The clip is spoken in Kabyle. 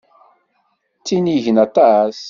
Ttinigen aṭas.